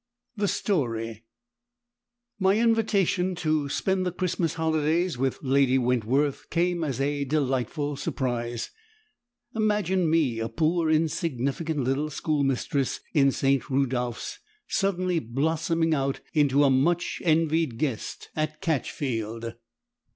THE STORY My invitation to spend the Christmas holidays with Lady Wentworth came as a delightful surprise. Imagine me a poor, insignificant little schoolmistress in St. Rudolphs, suddenly blossoming out into a much envied guest at Catchfield.